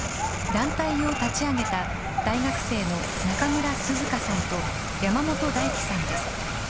団体を立ち上げた大学生の中村涼夏さんと山本大貴さんです。